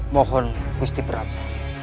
mohon bukti prabu